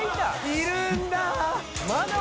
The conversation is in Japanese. いるんだ！